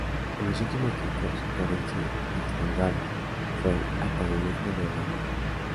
En los últimos tiempos, Florence Nightingale fue el antagonismo del ángel.